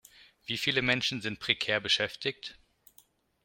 Wie viele Menschen sind prekär beschäftigt?